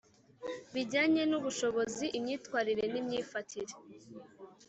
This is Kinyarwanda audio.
bijyanye n ubushobozi imyitwarire n imyifatire